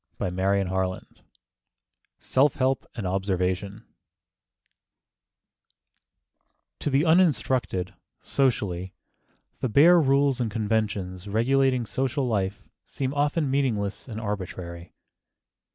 CHAPTER XLIV SELF HELP AND OBSERVATION TO the uninstructed, socially, the bare rules and conventions regulating social life seem often meaningless and arbitrary.